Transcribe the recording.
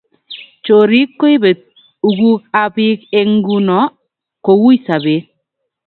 chorik koibe uguk ab bik eng nguno ko wui sabet